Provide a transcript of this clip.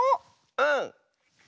うん。